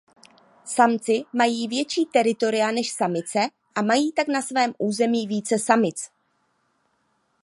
Samci mají větší teritoria než samice a mají tak na svém území více samic.